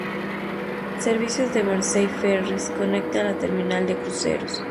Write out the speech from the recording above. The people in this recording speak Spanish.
Servicios de Mersey Ferries conecta a la terminal de cruceros.